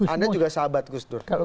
anda juga sahabat gusdur